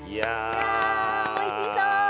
いやおいしそう！